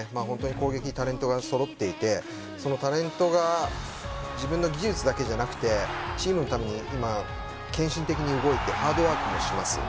攻撃タレントが揃っていてそのタレントが自分の技術だけじゃなくてチームのために献身的に動いてハードワークもします。